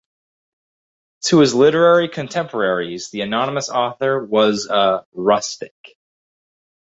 To his literary contemporaries, the anonymous author was a "rustic".